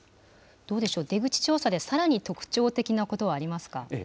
どうでしょう、出口調査でさらに特徴的なことはありますか。